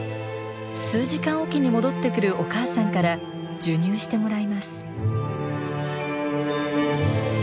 数時間おきに戻ってくるお母さんから授乳してもらいます。